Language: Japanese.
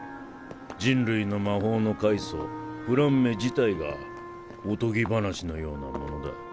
人類の魔法の開祖フランメ自体がおとぎ話のようなものだ